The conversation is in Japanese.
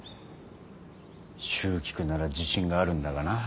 蹴鞠なら自信があるんだがなあ。